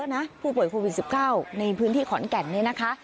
ในพื้นที่ขอนแก่นนะคะ